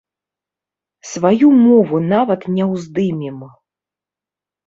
Сваю мову нават не ўздымем.